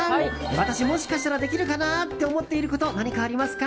私もしかしたらできるかな？って思っていること何かありますか？